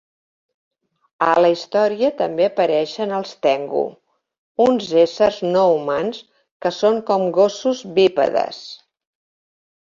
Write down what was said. A la història també apareixen els Tengu, uns éssers no humans que són com gossos bípedes.